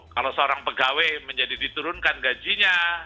kalau seorang pegawai menjadi diturunkan gajinya